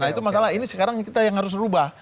nah itu masalah ini sekarang kita yang harus rubah